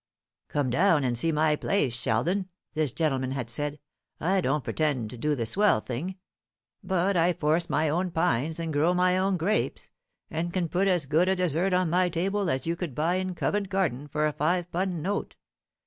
"Come down and see my place, Sheldon," this gentleman had said. "I don't pretend to do the swell thing; but I force my own pines and grow my own grapes, and can put as good a dessert on my table as you could buy in Covent Garden for a five pun' note.